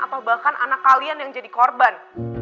atau bahkan anak kalian yang jadi korban